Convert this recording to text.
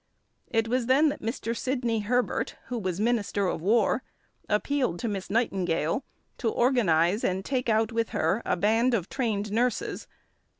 It was then that Mr. Sidney Herbert, who was Minister of War, appealed to Miss Nightingale to organise and take out with her a band of trained nurses.